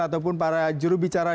ataupun para jurubicara